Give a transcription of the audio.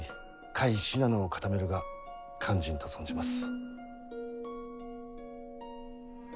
甲斐信濃を固めるが肝心と存じます。